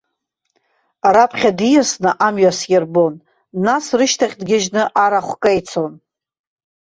Раԥхьа диасны амҩа сирбон, нас рышьҭахь дгьежьны арахә каицон.